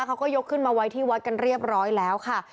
เขาก็ยกขึ้นมาไว้ที่วัดกันเรียบร้อยแล้วค่ะ